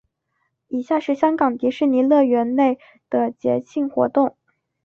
以下是香港迪士尼乐园内的节庆活动。